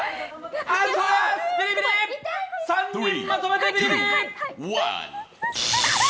ビリビリ、３人まとめてビリビリ。